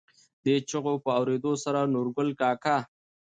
دې چېغو په اورېدو سره نورګل کاکا.